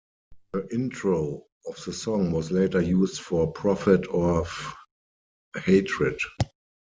The intro of the song was later used for "Prophet of Hatred".